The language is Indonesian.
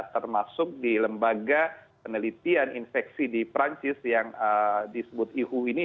termasuk di lembaga penelitian infeksi di perancis yang disebut ihu ini